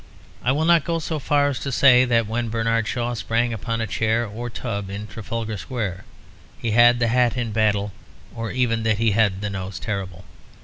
I will not go so far as to say that when Bernard Shaw sprang upon a chair or tub in Trafalgar Square he had the hat in battle, or even that he had the nose terrible.